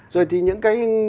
rồi thì những cái